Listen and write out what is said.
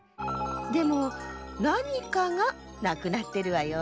でもなにかがなくなってるわよ。